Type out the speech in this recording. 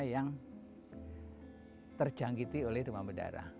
yang terjangkiti oleh demam berdarah